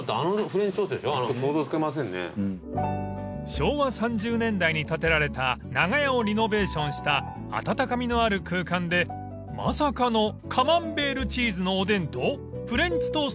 ［昭和３０年代に建てられた長屋をリノベーションした温かみのある空間でまさかのカマンベールチーズのおでんとフレンチトーストのおでん］